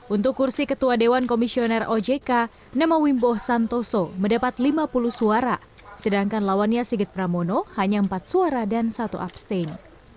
untuk kursi ketua dewan komisioner ojk nama wimbo santoso mendapat lima puluh suara sedangkan lawannya sigit pramono hanya empat suara dan satu abstain